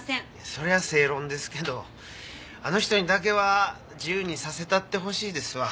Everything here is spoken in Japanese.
そりゃ正論ですけどあの人にだけは自由にさせたってほしいですわ。